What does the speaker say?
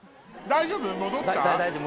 大丈夫？